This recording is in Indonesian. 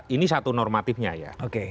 ini satu normatifnya ya